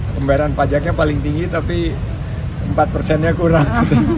pembayaran pajaknya paling tinggi tapi empat persennya kurang